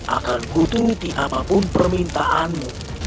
akan kuturuti apapun permintaanmu